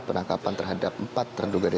ada penangkapan terhadap empat terduga teroris